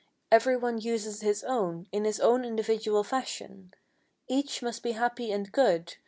Every one uses his own; in his own individual fashion, Each must be happy and good.